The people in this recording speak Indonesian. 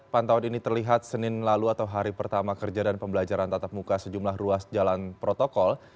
pantauan ini terlihat senin lalu atau hari pertama kerja dan pembelajaran tatap muka sejumlah ruas jalan protokol